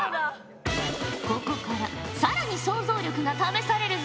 ここから更に想像力が試されるぞ。